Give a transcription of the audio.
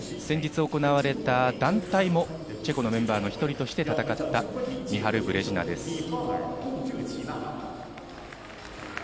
先日行われた団体もチェコのメンバーの一人として戦った、ミハル・ブレジナです。